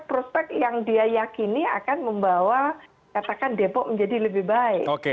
jadi prospek prospek yang dia yakini akan membawa katakan depok menjadi lebih baik